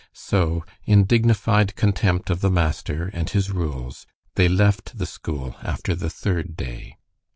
So, in dignified contempt of the master and his rules, they left the school after the third day.